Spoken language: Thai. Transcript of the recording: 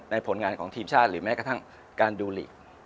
ผลงานของทีมชาติหรือแม้กระทั่งการดูหลีก